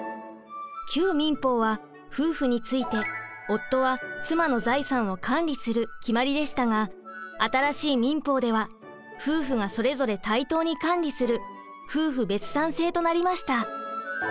旧民法は夫婦について夫は妻の財産を管理する決まりでしたが新しい民法では夫婦がそれぞれ対等に管理する夫婦別産制となりました。